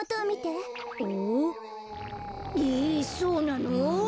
えそうなの？